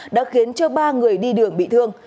đã khiến ba người đi đường bị thương